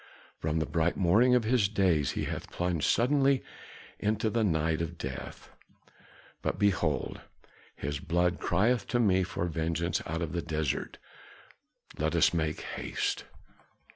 From the bright morning of his days he hath been plunged suddenly into the night of death. But behold, his blood crieth to me for vengeance out of the desert. Let us make haste!"